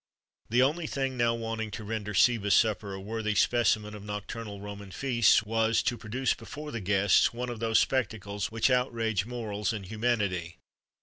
The only thing now wanting to render Seba's supper a worthy specimen of nocturnal Roman feasts was, to produce before the guests one of those spectacles which outrage morals and humanity.